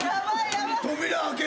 扉開ける。